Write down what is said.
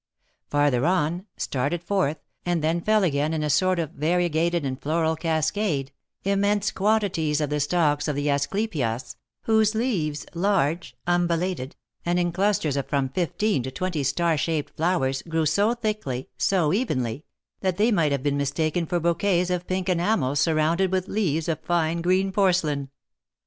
Farther on, started forth, and then fell again in a sort of variegated and floral cascade, immense quantities of the stalks of the asclepias, whose leaves, large, umbellated, and in clusters of from fifteen to twenty star shaped flowers, grew so thickly, so evenly, that they might have been mistaken for bouquets of pink enamel surrounded with leaves of fine green porcelain.